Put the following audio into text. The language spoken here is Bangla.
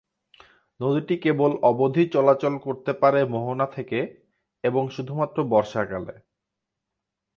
নদীটি কেবল অবধি চলাচল করতে পারে মোহনা থেকে, এবং শুধুমাত্র বর্ষাকালে।